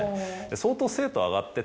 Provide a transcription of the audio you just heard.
相当精度上がってて。